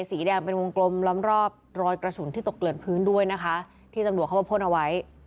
สีแดมเป็นวนกลมร้อมรอบรอยกระสุนที่ตกเดือนพื้นได้ด้วยนะคะ